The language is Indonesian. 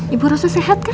ibu rasa sehat kan